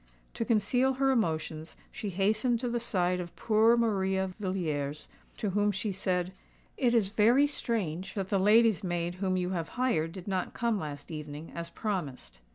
To conceal her emotions, she hastened to the side of poor Maria Villiers, to whom she said, "It is very strange that the lady's maid whom you have hired did not come last evening, as promised."